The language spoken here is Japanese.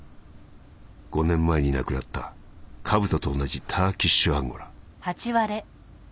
５年前に亡くなったカブトと同じターキッシュアンゴラ」。